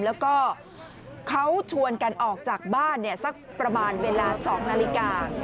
แล้วก็เขาชวนกันออกจากบ้านสักประมาณเวลา๒นาฬิกา